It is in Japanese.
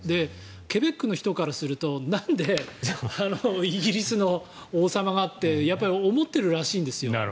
ケベックの人からするとなんでイギリスの王様がってやっぱり思っているらしいんです。